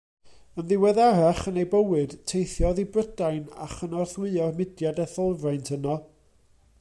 Yn ddiweddarach yn ei bywyd, teithiodd i Brydain a chynorthwyo'r mudiad etholfraint yno.